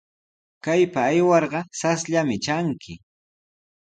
Kaypa aywarqa rasllami tranki.